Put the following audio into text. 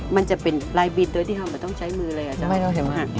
มันจะเป็นลายบีทโดยตี่เราจ้าว